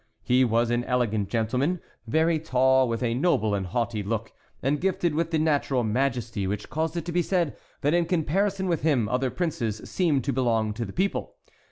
He was an elegant gentleman, very tall, with a noble and haughty look, and gifted with that natural majesty which caused it to be said that in comparison with him other princes seemed to belong to the people.